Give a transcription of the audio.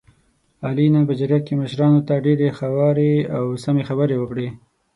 علي نن په جرګه کې مشرانو ته ډېرې هوارې او سمې خبرې وکړلې.